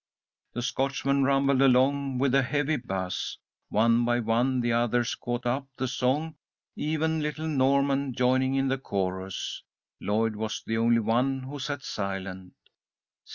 The Scotchman rumbled along with a heavy bass. One by one the others caught up the song, even little Norman joining in the chorus. Lloyd was the only one who sat silent.